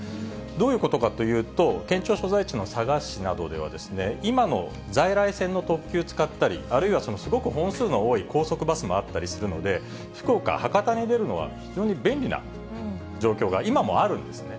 どういうことかというと、県庁所在地の佐賀市などでは、今の在来線の特急使ったり、あるいはすごく本数の多い高速バスもあったりするので、福岡・博多に出るのは非常に便利な状況が、今もあるんですね。